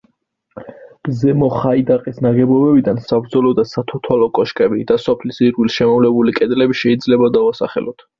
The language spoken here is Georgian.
ზემო ხაიდაყის ნაგებობებიდან საბრძოლო და სათვალთვალო კოშკები და სოფლის ირგვლივ შემოვლებული კედლები შეიძლება დავასახელოთ.